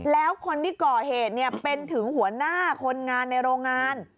แล้วคนที่ก่อเหตุเป็นถึงหัวหน้าคนงานในโรงงาน